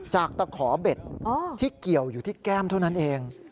ตะขอเบ็ดที่เกี่ยวอยู่ที่แก้มเท่านั้นเอง